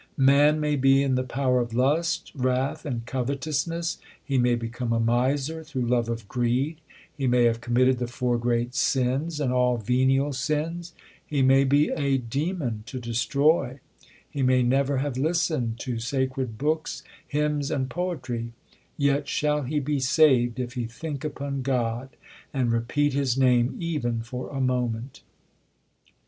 Man may be in the power of lust, wrath, and covetousness ; he may become a miser through love of greed ; He may have committed the four great sins l and all venial sins ; he may be a demon to destroy ; He may never have listened to sacred books, hymns, and poetry ; Yet shall he be saved if he think upon God and repeat His name even for a moment.